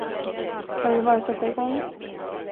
Kan vi bara sätta igång?